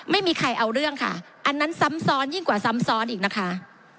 ไม่มีใครเอาเรื่องค่ะอันนั้นซ้ำซ้อนยิ่งกว่าซ้ำซ้อนอีกนะคะ